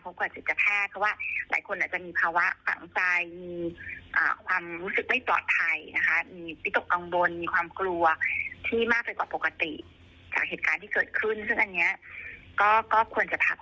หรืออาจจะเป็นหมอพัฒนาการเด็ก